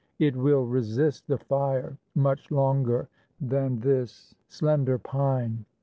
It will resist The fire much longer than this slender pine.